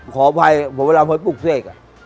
ขออภัยเวลามาพุกเสก